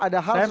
ada hal sesuatu